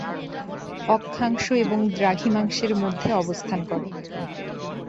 অক্ষাংশ এবং দ্রাঘিমাংশের মধ্যে অবস্থান করে।